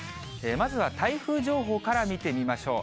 まずは台風情報から見てみましょう。